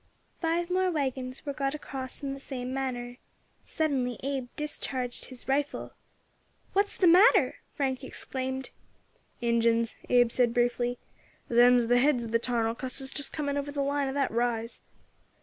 Five more waggons were got across in the same manner. Suddenly Abe discharged his rifle. "What's the matter?" Frank exclaimed. "Injins," Abe said briefly. "Them's the heads of the tarnal cusses just coming over the line of that rise."